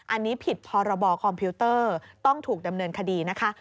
อันนี้ผิดพรบคอมพิวเตอร์ต้องถูกดำเนินคดีนะคะ